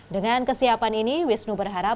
dengan kesiapan ini wisnu berharap